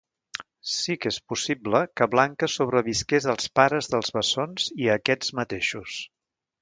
Sí que és possible que Blanca sobrevisqués als pares dels bessons i a aquests mateixos.